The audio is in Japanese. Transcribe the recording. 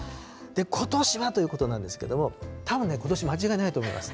ことしはということなんですけれども、たぶんね、ことし間違いないと思います。